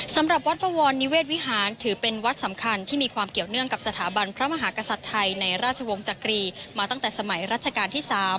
สำหรับวัดบวรนิเวศวิหารถือเป็นวัดสำคัญที่มีความเกี่ยวเนื่องกับสถาบันพระมหากษัตริย์ไทยในราชวงศ์จักรีมาตั้งแต่สมัยรัชกาลที่๓